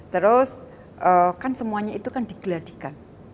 terus kan semuanya itu kan digeladikan